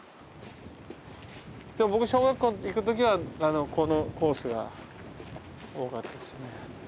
でも僕小学校行くときはこのコースが多かったですね。